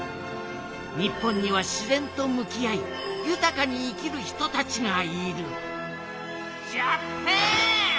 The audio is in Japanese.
日本には自然とむきあい豊かに生きる人たちがいるジャパン！